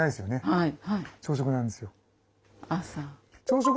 はい。